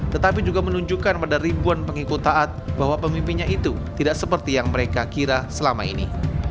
tetapi juga menunjukkan pada ribuan pengikut taat bahwa pemimpinnya itu tidak seperti yang mereka kira selama ini